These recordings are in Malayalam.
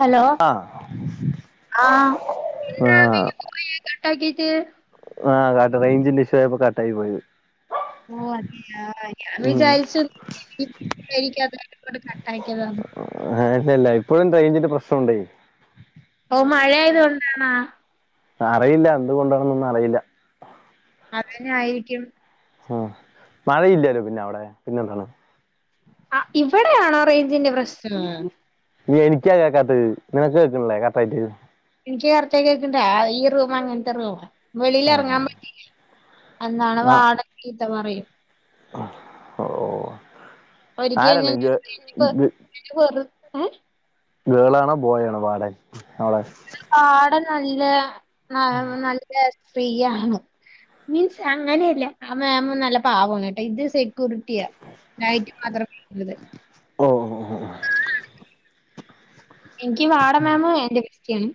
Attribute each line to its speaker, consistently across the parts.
Speaker 1: ഹലോ
Speaker 2: ആഹ്
Speaker 1: ആ
Speaker 2: ആഹ്
Speaker 1: കട്ടാക്കട്ട
Speaker 2: ആ് കട്ട് റേഞ്ചന്റെ ഇഷ്യു ആയപ്പോ കട്ട ആയി പോയിത്
Speaker 1: ഓ അതെയ ഞാൻ
Speaker 2: ഉം
Speaker 1: വിചാരിച്ച [unintelligible] അത കട്ടാക്കിയതാ
Speaker 2: ആഹ ഇല്ലല്ല ഇപ്പോഴും റേഞ്ചിന്റെ പ്രശ്നംണ്ടേ
Speaker 1: ഓ മഴയത് കൊണ്ടണാ
Speaker 2: അറിയില്ല എന്തുകൊണ്ടാണന്നൊന്നും അറിയില്ല
Speaker 1: അതന്നെ ആയിരിക്കും
Speaker 2: ആ മഴയില്ലല്ലോ പിന്നെ അവിടെ പിന്നെ എന്താണ്
Speaker 1: ആ ഇവിടെയാണോ റേഞ്ചിന്റെ പ്രശ്നം
Speaker 2: എനിക്കാ കേക്കാത്തത് നിനക്ക് കേക്കണല്ലേ കർക്ടയിട്ട്
Speaker 1: എനിക്ക് ചേർത്തക്ക കേക്കണ്ട ഈ റൂം അങ്ങനത്തെ റൂം
Speaker 2: ആഹ്
Speaker 1: വെളിൽഇറങ്ങാൻ പറ്റല്ല അന്നാണ് വാർഡൻ ചീത്ത പറയും
Speaker 2: ഓഓ
Speaker 1: ഒരിക്കെ
Speaker 2: ആരാണ് നിങ്ങക്ക്
Speaker 1: [unintelligible]
Speaker 2: ഗേളാണോ ബോയ് ആണോ വാടന് അവിടെ
Speaker 1: വാടാൻ നല്ല ന്നാ നല്ല ഫ്രീ ആണ് മീൻസ് അങ്ങനെയല്ല ആഹ് മേമ് നല്ല പാവാണ് കേട്ടോ ഇത് സെ സെകുരുട്ടിയാ നെറ്റ് മാത്രം ഉള്ളത്
Speaker 2: ഓഹ് ഓഹ് ഓഹ്
Speaker 1: എനിക്ക് വാട മാേമ് എന്റെ ബെസ്റ്റി ആണ്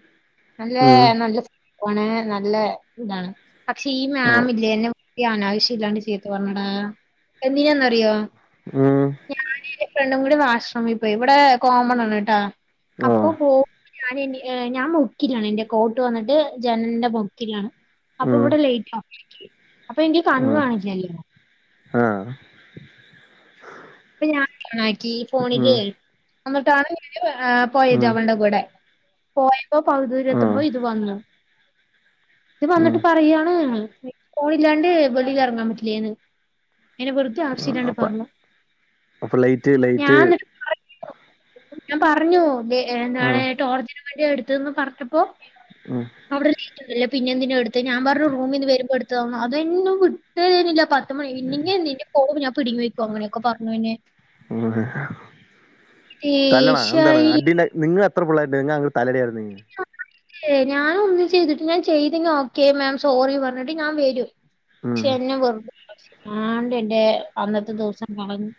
Speaker 1: നല്ല
Speaker 2: ഉം
Speaker 1: നല്ല പോണെ നല്ല ഇതാണ് പക്ഷെ ഈ
Speaker 2: ഓ
Speaker 1: മാമില്ലേ എന്നെ അനാവശ്യം ഇല്ലാണ്ട് ചീത്ത പറഞ്ഞടാ എന്തിനാന്നറിയോ
Speaker 2: ഉം
Speaker 1: ഞാനും എന്റെ ഫ്രണ്ടും കൂടി വാഷ്‌റൂമി പോയി ഇവിടെ കോമണാണ് ട്ടോ
Speaker 2: ഓ
Speaker 1: അപ്പൊ പോകുമ്പോ ഞൻ ഞാൻ മുക്കിലാണ് എൻന്റെ കോട്ട് വന്നിട്ട് ജനന്റെ മുക്കിലാണ് അപ്പൊ
Speaker 2: ഉം
Speaker 1: ഇവിടെ ലേറ്റ് പോയികി അപ്പൊ എനിക്ക് കണ്ണ്
Speaker 2: ഉം
Speaker 1: കാണിലല്ലോ
Speaker 2: ആഹ്
Speaker 1: അപ്പൊ ഞാൻ ഓണാക്കി ഫോണില്
Speaker 2: ഉം
Speaker 1: എന്നിട്ടാണ് ഞൻ പോയത്
Speaker 2: ഉം
Speaker 1: അവളുടെ കൂടെ പോയപ്പോ പകുതി
Speaker 2: ആഹ്
Speaker 1: ദൂരെത്തുമ്പോ ഇത് വന്നു ഇത്
Speaker 2: ഉം
Speaker 1: വന്നിട്ട് പറയാണ് ഫോണില്ലാണ്ട് വെളിയിൽ ഇറങ്ങാൻ പറ്റില്ലേന്ന് അയ്ന്നെ വെറുതെ ആവശ്യല്ലാണ്ട്
Speaker 2: അപ്പ
Speaker 1: പറഞ്ഞു
Speaker 2: അപ്പൊ ലൈറ്റ് ലൈറ്റ്
Speaker 1: അയ്യോ ഞാൻ പറഞ്ഞു എന്താണ്
Speaker 2: ആഹ്
Speaker 1: ടോർച്ചിന് വേണ്ടി എടുത്തന്ന് പറഞ്ഞപ്പോ
Speaker 2: ഉം
Speaker 1: അവിടെള്ള ല്ലേ പിന്നെന്തിന എടുത്ത് ഞാൻ പറഞ്ഞ റൂമിന്ന് വരുമ്പോ എടുത്തതാന്ന് അതൊന്നും വിട്ടരുന്നില്ല പത്ത് മണി പിന്നെ എന് നിന്റെ ഫോൺ ഞാൻ പിടിങ്ങി വെക്കും അങ്ങനെയൊക്കെ പറഞ്ഞു എന്നെ
Speaker 2: തല്ലണോ അഹ് ന്താണ്
Speaker 1: ദേഷ്യായി
Speaker 2: അടിണ്ടായ് നിങ്ങൾ എത്ര പിള്ളാര്ണ്ടായി നിങ്ങൾ അങ്ങ് തല്ലടി യങ്ങ്
Speaker 1: ഞാന് ഒന്നും ചെയ്തിട്ട്ല്ല ഞാൻ ചെയ്തങ്ങ ഓക്കെ മാം സോറി പറഞ്ഞിട്ട് ഞാൻ വരും
Speaker 2: ഉം
Speaker 1: പക്ഷെ എന്നെ വെറ്പ്പിച്ചാണ്ട് എന്റെ അന്നത്തെ ദിവസം കളഞ്ഞ്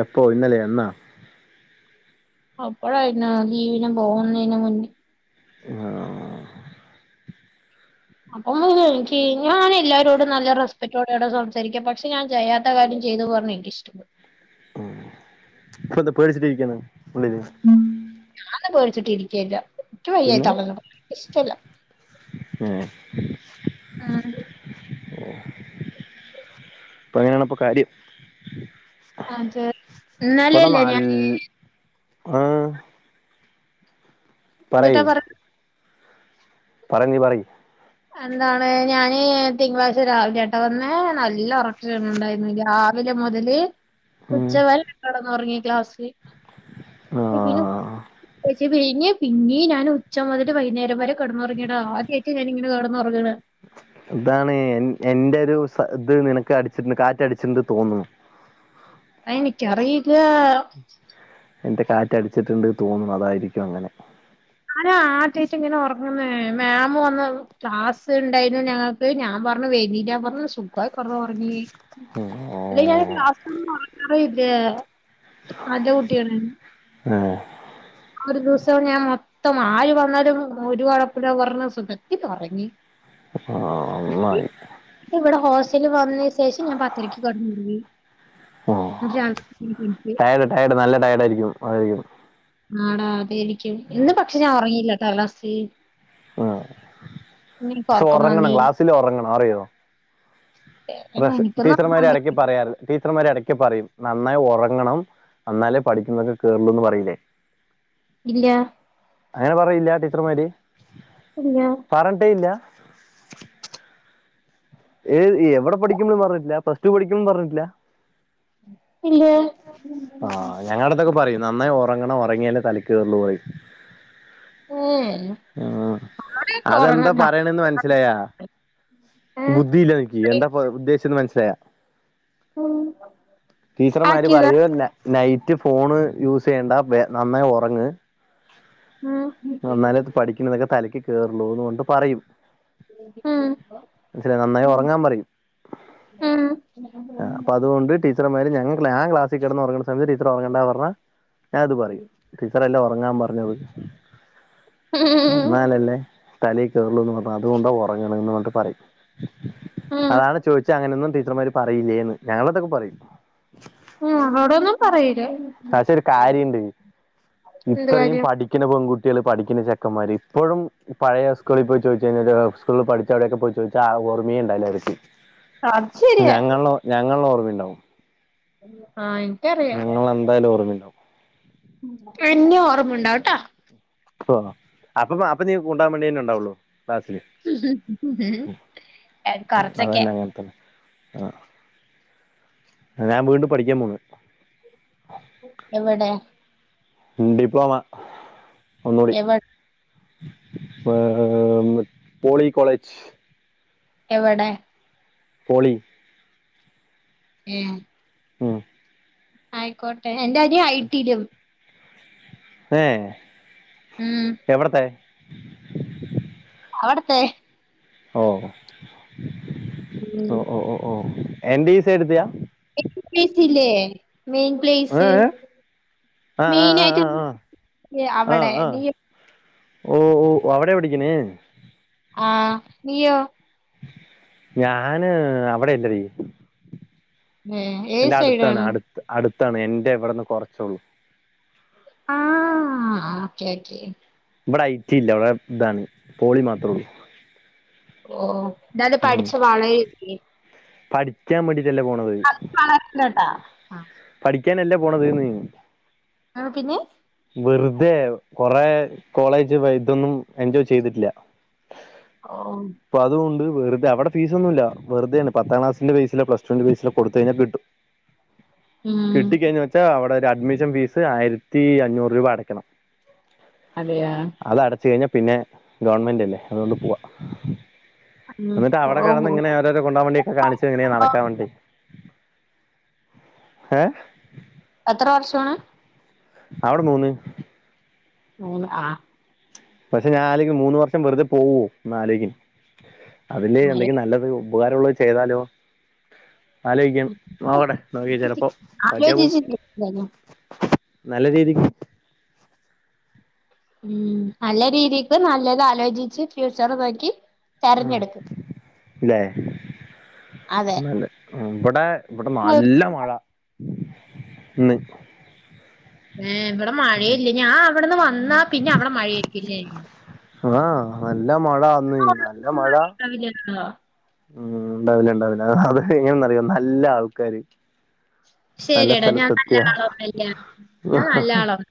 Speaker 2: എപ്പോ ഇന്നലെ എന്നാ
Speaker 1: അപ്പള ആയിന ലീവിന് പോകുന്നെന്ന് മുന്നേ
Speaker 2: പിന്നെ ആഹ്
Speaker 1: അപ്പം മുതലിന്ക്ക് ഞാൻ എല്ലാരോടും നല്ല റെസ്പെക്റ്റോടെടാ സംസാരിക്ക പക്ഷെ ഞാൻ ചെയ്യാത്ത കാര്ം ചെയ്തു പറഞ്ഞ എനിക്ക്ഷ്ടപ്പെടോ
Speaker 2: ഇപ്പ ന്ത പേടിച്ചിട്ടിരിക്കണോ ഉള്ളില്
Speaker 1: ഞാൻ പോടിച്ചിട്ടി ഇരിക്കല്ല ഇക്ക് വയ്യാ [unintelligible] ഇഷ്ടല്ല
Speaker 2: ഉം ഉം
Speaker 1: ഉം
Speaker 2: അപ്പൊ അങ്ങനെണ് കാര്യം
Speaker 1: അത്
Speaker 2: ഇവടെ
Speaker 1: ഇന്നലെയല്ലേ ഞാൻ
Speaker 2: നാല്ലോ ഉം
Speaker 1: ന്ന്ട്ടാ പറിണ്
Speaker 2: പറഞ്ഞ് പറി
Speaker 1: എന്താണ് ഞാന് തിങ്കളാഴ്ച രാവിലെട്ട വന്ന് നല്ല ഉറക്ക് വര്ണ് ണ്ടായിരുന്നു രാവി രാവിലെ മുതല്
Speaker 2: ഉം
Speaker 1: ഉച്ചവരെ കെടന്ന് ഉറങ്ങി ക്ലാസ്സില്
Speaker 2: ആഹ്
Speaker 1: കോർച്ച് കയിഞ്ഞ് പിന്നെ പിന്നീ ഞാൻ ഉച്ച മുതല് വൈകുന്നേരം വരെ കടന്നുറങ്ങിയെടാ ആദ്യയിട്ട ഞാനിങ്ങനെ കെടന്ന് ഉറങ്ങ്ണ്
Speaker 2: ഇതാണ് എൻന്റെറെ ഒരു ഇത് നിനക്ക് അടിച്ചിട്ടുണ്ട് കാറ്റ് അടിച്ചിണ്ട് തോന്നുന്നു
Speaker 1: എനിക്കറിയില്ല
Speaker 2: എന്റെ കാറ്റ് അടിച്ചിട്ടുണ്ട് തോന്നും അതായിരിക്കും അങ്ങനെ
Speaker 1: ആരാ ആദ്യായി റ്റ് ഇങ്ങനെ ഉറങ്ങുന്ന മാമ് വന്ന് ക്ലാസ് ഉണ്ടായിന ഞങ്ങ ഞാൻ പറഞ്ഞു [unintelligible] പറഞ്ഞു സുഖായിറ്റ് കറവ ഉറങ്ങി അല്ല ഞാൻ
Speaker 2: ഓഹ്
Speaker 1: ക്ലാസിന്ന് ഉറങ്ങാറേയില്ല നല്ല കുട്ടിയാണ്
Speaker 2: ഏ
Speaker 1: ഒരു ദിവസം ഞാൻ മൊത്തം ആര് വന്നാലും ഒരു കുഴപുല്ല പറഞ്ഞ് സുഖത്തി ഉറങ്ങി
Speaker 2: ആ നന്നായി
Speaker 1: ഇവിടെ ഹോസ്റ്റലിൽ വന്ന ശേഷം ഞാൻ പത്തരക്ക് കിടന്ന പോയി [unintelligible]
Speaker 2: ടൈഡ് നല്ല ടൈഡായിരിക്കും അതായിരിക്കും
Speaker 1: ആടാ അതേരിക്കും ഇന്ന് പക്ഷെ ഞാൻ ഉറങ്ങിയില്ലട്ടാ ക്ലാസ്സിൽ
Speaker 2: ഉം.
Speaker 1: ഇന്ന് ഇൻകാ
Speaker 2: പക്ഷെ
Speaker 1: കൊറക്കമാ നീ
Speaker 2: [unintelligible] ഉറങ്ങണം അറിയോ പ്രഷ്
Speaker 1: എനിക്കൊന്നും ഉറങ്ങാൻ
Speaker 2: ടീച്ചർമാര് ഇടയ്ക്ക്
Speaker 1: പറ്റി
Speaker 2: പറയാത് ടീച്ചർമാര് ഇടയ്ക്ക് പറയും നന്നായി ഉറങ്ങണം എന്നാലേ പഠിക്കുന്നതൊക്കെ കേറുള്ളൂന്ന് പറയിലേ
Speaker 1: ഇല്ല
Speaker 2: അങ്ങനെ പറയില്ല ടീച്ചർമാര്
Speaker 1: ഇല്ല
Speaker 2: പറഞ്ഞിട്ടേ ഇല്ല ഏ എവിടെ പഠിക്കുമ്പോ പറഞ്ഞട്ടില്ല പ്ലസ്ടു പഠിക്ക് പറഞ്ഞിട്ടില്ല
Speaker 1: ഇല്ല
Speaker 2: ആഹ ഞങ്ങള അടുത്തൊക്കെ പറയും നന്നായി ഉറങ്ങണം ഉറങ്ങിയാലേ തലക്ക് ഇതൊന്നും പറയും
Speaker 1: ഏഹ്
Speaker 2: ആ
Speaker 1: ആരൊക്കെ
Speaker 2: അതെന്താ
Speaker 1: ഉറങ്ങത്താ
Speaker 2: പറയണന്ന് മനസ്സിലായാ ബുദ്ധിയില്ല എന്താന്ന് ഉദ്ദേശംന്ന് മനസ്സിലായ ടീച്ചർമാര്
Speaker 1: ആക്കിയതാ
Speaker 2: പറയല്ല നൈറ്റ് ഫോണ് യൂസ് ചെയ്യണ്ട നന്നായി ഉറങ്ങ്
Speaker 1: ഉം
Speaker 2: എന്നാലെ പഠിക്കണതൊക്കെ തലക്ക് കേറുള്ളൂന്ന് കൊണ്ട് പറയും
Speaker 1: ഉം
Speaker 2: നന്നായി ഉറങ്ങാൻ പറയും
Speaker 1: ഉം
Speaker 2: ആ അപ്പൊ അതുകൊണ്ട് ടീ ടീച്ചറുമാര് ഞങ്ങ ആ ക്ലസ്സിൽ കിടന്ന് ഉറങ്ങണ്ട സമയത്ത് ടീച്ചർ ഉറങ്ങണ്ട പറഞ്ഞാ ഞാനതു പറയും ടീച്ചർ അല്ലെ ഉറങ്ങാൻ പറഞ്ഞത്
Speaker 1: [unintelligible]
Speaker 2: എന്നാലല്ലേ തല കേറൂള്ളൂ പറഞ്ഞ് അതുകൊണ്ടാ ഉറങ്ങണന്ന് പറഞ്ഞിട്ട് പറയും
Speaker 1: ഉം
Speaker 2: അതാണ് ചോദിച്ചെ അങ്ങനൊന്നും ടീച്ചർമാര് പറയില്ലേന്ന് ഞങ്ങളതൊക്കെ പറയും
Speaker 1: ആ അവിടൊന്നും പറയില്ല
Speaker 2: പക്ഷെ ഒരു കാര്യം ഇണ്ട്
Speaker 1: എന്ത്
Speaker 2: ഇത്രയും പഠിക്കാ
Speaker 1: കാര്യം
Speaker 2: പഠിക്കുന്ന പെൺകുട്ടികള് പഠിക്കുന്ന ചെക്കന്മാര് ഇപ്പോഴും പഴയ സ്കൂളിൽ പോയി ചോദിച്ചു കഴിഞ്ഞാല് സ്കൂള പഠിച്ച അവിടെയക്കെ പോയി ചോദിച്ചാ ഓർമയും ഉണ്ടല്ലായിരിക്കും
Speaker 1: അത് ശരിയാ
Speaker 2: ഞങ്ങള ഞങ്ങളുടെ ഓർമ്മുണ്ടാവും
Speaker 1: ആ എനിക്ക് അറിയാം
Speaker 2: എന്തായലും ഓർമ ഉണ്ടാവും
Speaker 1: എന്നെ ഓർമ്മയുണ്ടാവട്ടെ
Speaker 2: ഓ അപ്പൊ അപ്പൊ നീ [unintelligible] വേണ്ടിന്നെണ്ടാവുള്ളൂ ക്ലാസ്സില് ഉ ഉ അത്
Speaker 1: കൊറച്ചൊക്കെ
Speaker 2: തന്നെ അങ്ങനെ തന്നെ ആ ഞൻ വീണ്ടും പഠിക്കൻ പോന്ന്
Speaker 1: എവിടെ
Speaker 2: ഉണ്ടിപ്പോവ ഒന്നൂടി
Speaker 1: എവി
Speaker 2: പ്... പോളി കോളേജ്
Speaker 1: എവടെ
Speaker 2: പൊളി
Speaker 1: ഏ
Speaker 2: മ്
Speaker 1: ആയിക്കോട്ടെ എന്റെ അനിയൻ ഐടിലും
Speaker 2: ഏ
Speaker 1: ഉം
Speaker 2: എവടത്തെ
Speaker 1: അവടത്തെ
Speaker 2: ഓ
Speaker 1: ഉം
Speaker 2: ഒ ഒ ഓ ഓ എന്റെ ഈ സൈട്‌ത്തയാ
Speaker 1: [unintelligible] പ്ലേയ്സ്
Speaker 2: ഏ? ആ ആ ആ
Speaker 1: മെയിനയിട്ട്
Speaker 2: ആ, ആ ആഹ്
Speaker 1: അവടെ
Speaker 2: ആഹ്
Speaker 1: നീയൊ
Speaker 2: ഓ ഓ അവിടെ പഠിക്കിണേ
Speaker 1: ആ നീയോ
Speaker 2: ഞാന് അവിടെ അല്ലടി
Speaker 1: ഏഹ് ഏത്
Speaker 2: എന്റെ അടുത്താണ്
Speaker 1: സൈഡാണ്
Speaker 2: അടുത്ത് അടുത്താണ് എന്റെ ഇവിടുന്ന് കുറച്ചള്ളൂ
Speaker 1: ആ ഓക്കേ ഓക്കേ
Speaker 2: ഇവിടെ ഐട്ടി ഇല്ല അവിടെ ഇതാണ് പോളി മാത്രേ ഉള്ളു
Speaker 1: ഓഹ് ഡാ അത്
Speaker 2: ഉം
Speaker 1: പഠിച്ച് [unintelligible]
Speaker 2: പഠിക്കാൻ വേണ്ടിട്ടല്ലേ പോണത്
Speaker 1: വളർന്നട്ടാ
Speaker 2: പഠിക്കാനല്ലേ പോണത് എന്ന്
Speaker 1: ആ പിന്നെ
Speaker 2: വെറുതെ കൊറെ കോളേജ് ഇതൊന്നും എൻജോയ് ചെയ്തിട്ടില്ല
Speaker 1: ഓഹ്
Speaker 2: അപ്പൊ അതുണ്ട് വെറ്തെ അവിടെ ഫീസൊന്നുല്ല വെറ്തേണ് പത്താം ക്ലാസിന്റെ ബൈസിലോ പ്ലസ് ടുന്റെ ബൈസിലോ കൊടുത്ത് കഴിഞ്ഞാ കിട്ടും
Speaker 1: ഉം
Speaker 2: കിട്ടി കഴിഞ്ഞാ പക്ഷേ അവിടെ ഒരു അഡ്മിഷൻ ഫീസ് ആയിരത്തി അഞ്ഞൂറ് രൂപ അടക്കണം
Speaker 1: അതേയാ
Speaker 2: അത അടച്ച് കഴിഞ്ഞാ പിന്നെ ഗവൺമെൻ്റല്ലേ അതോണ്ട് പോവാ
Speaker 1: ഉം
Speaker 2: എന്നിട്ട് അവിടെ
Speaker 1: ഓ
Speaker 2: കെടന്ന്ങ്ങനെ കൊണ്ടാ വേണ്ടി ഒക്കെ കാണിച്ച് ഇങ്ങനെ
Speaker 1: ഓ
Speaker 2: നടക്കാ വേണ്ടിട്ടെ ഏ
Speaker 1: എത്ര വർഷാണ്
Speaker 2: അവ്ടെ മൂന്ന്
Speaker 1: മൂന്ന് ആ
Speaker 2: പക്ഷെ ഞാനാലോയ്ക്കാ മൂന്ന് വർഷം വെർതെ പോവോ ഒന്നാലോയ്ക്ക് അതില്ലെ എന്തെങ്കി നല്ലത് ഉപകാര ഉള്ളേ ചെയ്താലോ ആലോയ്ക്കും നോക്കട്ടെ നോക്കി ചെലപ്പോ പറ്റ്യാ പോവും
Speaker 1: ആലോചിച്ചില്ലേ എന്തായാലും.
Speaker 2: നല്ല രീതിക്ക്
Speaker 1: മ് നല്ല രീതിക്ക് നല്ലത് ആലോചിച്ച് ഫ്യൂച്ചർ നോക്കി
Speaker 2: ആഹ്
Speaker 1: തെരഞ്ഞെട്ക്ക് അ
Speaker 2: ഇവ്ടെ വ്ടെ നല്ല മഴ ഇന്ന്
Speaker 1: ഏ വ്ടെ മഴയില്ല ഞാൻ അവ്ടെന്ന് വന്നാ പിന്നെ അവ്ടെ മഴയായിരിക്കും ല്ലേ
Speaker 2: ആഹ് നല്ല മഴാന്ന് നല്ല മഴ
Speaker 1: [inaudible]
Speaker 2: ഉം ണ്ടാവില്ല ണ്ടാവില്ല അത് എങ്ങനെന്നറിയോ നല്ല ആൾക്കാര് നല്ല
Speaker 1: ശരിയെടാ ഞാൻ
Speaker 2: സ്ഥലത്ത്
Speaker 1: നല്ല
Speaker 2: എത്തിയാ
Speaker 1: ആളൊന്നല്ല ഞാൻ നല്ല ആളാണ്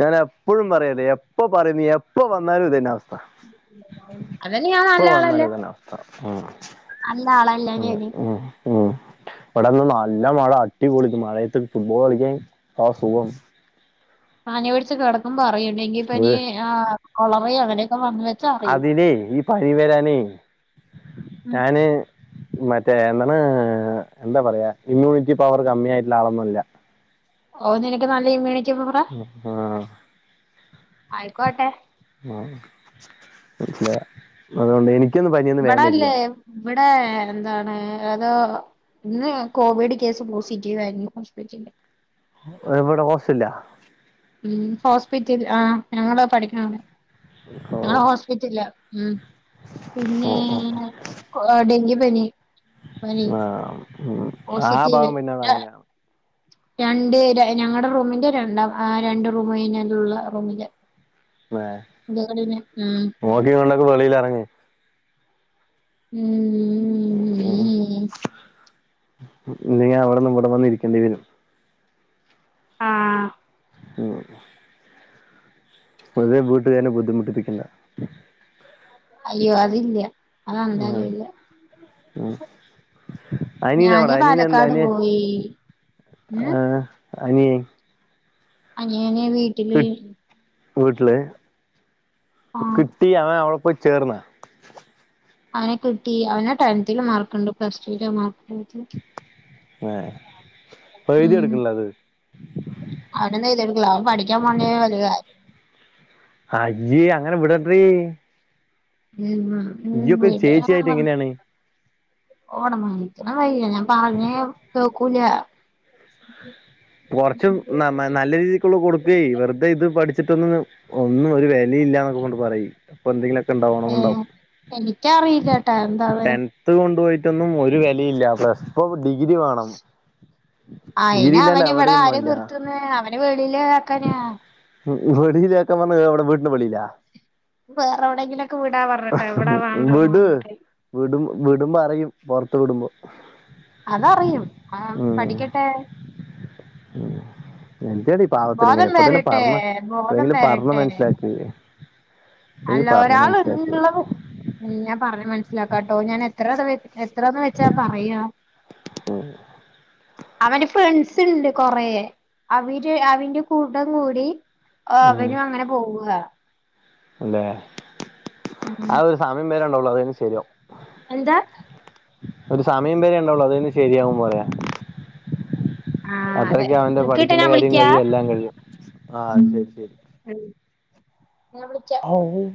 Speaker 2: ഞാനെപ്പഴും പറയല്ലേ എപ്പ പറയും എപ്പ വന്നാലും ഇതന്നെ അവസ്ഥ
Speaker 1: അതിന്ന് ഞാൻ നല്ല ആളല്ല
Speaker 2: അ മ്
Speaker 1: നല്ല ആളല്ല [unintelligible]
Speaker 2: മ് വ്ടെന്ന് നല്ല മഴ അടിപൊളി മഴയത്ത് ഫുട്ബോള് കളിക്കാൻ എന്താ സുഖം
Speaker 1: പനി പിട്ച്ച് കെടക്കുമ്പോ അറിയൂം ഡെങ്കിപ്പനി
Speaker 2: ഏ
Speaker 1: ആഹ് കൊളറിം അങ്ങനൊക്കെ വന്ന് വെച്ചാ അറിയും
Speaker 2: ഇല്ലേ ഇ പനി വെരാനേ
Speaker 1: ഉം.
Speaker 2: ഞാന് മറ്റേ എന്താണ് എന്താ പറയാ ഇമ്മ്യൂണിറ്റി പവറ് കമ്മി ആയിട്ടുള്ള ആളൊന്നല്ല
Speaker 1: ഓ നിനക്ക് നല്ല ഇമ്മ്യൂണിറ്റി പവറാ
Speaker 2: ആഹ്
Speaker 1: ആയിക്കോട്ടെ
Speaker 2: ആഹ് മനസിലായോ അത്കൊണ്ട് എനി
Speaker 1: ഇവടല്ലേ ഇവിടെ എന്താണ് ഏതോ ഇന്ന് കോവിഡ് കേസ് പോസിറ്റീവ് ആയിരുന്നു ഹോസ്പിറ്റലില്
Speaker 2: എവിടെ ഹോസ്റ്റല്ലോ
Speaker 1: ഉം ഹോസ്പിറ്റല്ല് ആഹ് ഞങ്ങള് പഠിക്കണാണ്
Speaker 2: ഓ
Speaker 1: ഞങ്ങള് ഹോസ്പിറ്റൽലാ
Speaker 2: ഓ
Speaker 1: പിന്നെ
Speaker 2: ഓ
Speaker 1: ഡെങ്കി പനി
Speaker 2: ആഹ് ഉം ആ ബാഗം പിന്നെ
Speaker 1: പോസിറ്റീവ്
Speaker 2: അങ്ങനാ
Speaker 1: രണ്ട് ഞങ്ങൾടെ റൂമിന്റെ രണ്ടാം ആ രണ്ട് റൂമ് കഴിഞ്ഞാലുള്ള റൂമിന്റെ
Speaker 2: വേ
Speaker 1: എന്തെക്കേണ്ട് പിന്നെ ആഹ്
Speaker 2: നോക്കിം കണ്ടൊക്കെ വെളീലെറങ്ങ്
Speaker 1: ഉം
Speaker 2: ഉം നീ അവ്ട്ന്ന് ഇവടെ വന്ന് ഇരിക്കേണ്ടി വരും
Speaker 1: ആഹ്
Speaker 2: ഉം വെറുതേ വീട്ടുകാരെ ബുദ്ധിമുട്ടിപ്പിക്കേണ്ട
Speaker 1: അയ്യോ അതില അതന്താലും ഇല്ല.
Speaker 2: ഉം അനനവിടെ
Speaker 1: ഞാന്
Speaker 2: അനന എന്ത
Speaker 1: പാലക്കാട്
Speaker 2: അന
Speaker 1: പോയി ഉം
Speaker 2: ആ അനി
Speaker 1: അനിയന് വീട്ടില്
Speaker 2: കി വീട്ടില്
Speaker 1: ആ
Speaker 2: കിട്ടി അവൻ അവടെ പോയി ചേർന്നാ?
Speaker 1: അവനെ കിട്ടി അവനെ ടെൻതൽ മാർക്ക്ണ്ട് പ്ലസ് ടുൽ മാർക്ക്
Speaker 2: ഏ പ്പ എഴുതി എടുക്കല്ല അത്?
Speaker 1: അവിടെന്ന എഴുതി എടുക്കല അവ പഠിക്കാൻ പോണ വലിയ
Speaker 2: അയ്യേ അങ്ങനെ വിടടീ ചേച്ചിയായിട്ട് എങ്ങനെയാണ്
Speaker 1: [unintelligible] ഓട മനിക്കണ വയല്ല ഞാൻ പറഞ്ഞേ കേക്കൂല.
Speaker 2: കുറച്ചും ന നല്ല രീതിക്കുള്ള കൊടുക്ക വെറുതെ ഇത് പഠിച്ചിട്ടൊന്ന ഒന്നും ഒരു ക്കെ പറ അപ്പൊ എന്തെങ്കിലുമൊക്കെണ്ട
Speaker 1: ഏ
Speaker 2: ഓണ്ട
Speaker 1: എനിക്കറിയില്ലട്ടാ എന്താണ്
Speaker 2: ത്ത് കൊണ്ടു പോയിട്ടൊന്നും ഒരു വിലയില്ല പ്ലസ് ഇപ്പൊ ഡിഗ്രി വേണം ഡിഗ്രി ഇല്ലാണ്ട
Speaker 1: ഇവിടെ ആര നിർത്തുന്ന അവന വേളിയില് ആക്കാനാ
Speaker 2: വെളിയിലക്കെ പറഞ്ഞ അവിടെ വീട്ടിന്റെ വെളിയിലാ?
Speaker 1: വേറെ എവിടെയെങ്കിലും ഒക്കെ വിടാ പറഞ്ഞിട്ടോ വിടാ വേണ്ടന്ന് പറന്നിട്ട്.
Speaker 2: വിടു വിടുമ്പോ അറിയും പുറത്ത് വിടുമ്പോ.
Speaker 1: അതറിയും ആ പഠിക്കട്ടെ
Speaker 2: എന്ത്ടി പ ഇങ്ങനെ
Speaker 1: ബോധം
Speaker 2: ഇപ്പ തന്നെ
Speaker 1: വരട്ടെ
Speaker 2: പറഞ്ഞ
Speaker 1: ബോധം
Speaker 2: എന്തേങ്കിലും പറഞ്ഞ
Speaker 1: വരട്ടെ
Speaker 2: മനസ്സിലാക്ക
Speaker 1: അല്ല ഒരാള് ള്ളത് എല്ലാം പറഞ്ഞ് മൻസ്സിലാക്കാട്ടോ ഞാൻ എത്രത് എത്രന്ന് വെച്ചാ പറയാ?
Speaker 2: മ്
Speaker 1: അവന് ഫ്രണ്ട്സ്ണ്ട് കൊറേ അവിര് അവ്ൻ്റെ കൂട്ടം കൂടി
Speaker 2: ഉം
Speaker 1: അവരും അങ്ങനെ പോവ്വാ
Speaker 2: അല്ലെ
Speaker 1: ഉം
Speaker 2: അതൊരു സമയം പേരെണ്ടള്ളു അതയിഞ്ഞ് ശരിയാവും.
Speaker 1: എന്താ
Speaker 2: ഒരു സമയം വരെ എണ്ടാവുള്ളു അതയ്ഞ്ഞ ശരിയാവും പറയാ
Speaker 1: ആഹ് അതെ
Speaker 2: അത്രക്കെ അവന്റെ
Speaker 1: ബുക്ക് കിട്ടാ
Speaker 2: പഠിക്കണ്ട
Speaker 1: ഞാൻ
Speaker 2: കാര്യം
Speaker 1: വിളിക്കാ
Speaker 2: കഴിയും എല്ലാം കഴിയും ആ ശരി ശരി
Speaker 1: ഉം ഞാൻ വിളിക്കാ
Speaker 2: ആ ഉം